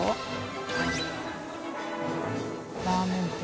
ラーメン店。